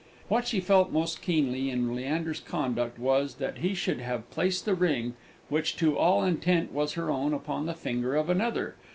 What she felt most keenly in Leander's conduct was, that he should have placed the ring, which to all intent was her own, upon the finger of another.